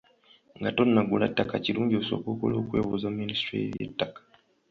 Nga tonnagula ttaka kirungi osooke okole okwebuuza mu minisitule y’eby'ettaka.